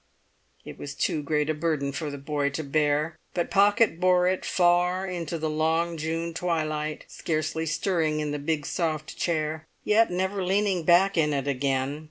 It was too great a burden for a boy to bear; but Pocket bore it far into the long June twilight, scarcely stirring in the big soft chair, yet never leaning back in it again.